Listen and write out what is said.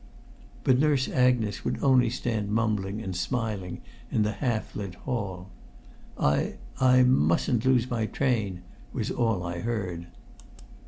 But Nurse Agnes would only stand mumbling and smiling in the half lit hall. "I I mustn't lose my train," was all I heard.